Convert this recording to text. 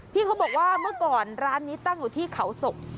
เขาบอกว่าเมื่อก่อนร้านนี้ตั้งอยู่ที่เขาศก